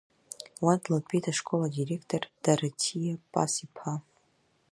Уа длатәеит ашкол адиректор Дараҭиа Пас-иԥа.